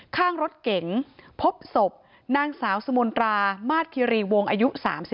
ข้างรถเก๋งพบศพนางสาวสมนตรามาสคิรีวงอายุ๓๒